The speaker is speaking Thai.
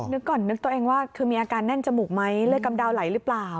นึกก่อนนึกตัวเองว่าคือมีอาการแน่นจมูกไหมเลือดกำดาวไหลหรือเปล่า